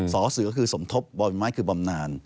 สอเสือคือสมทบบ่อยไม้คือบำนาน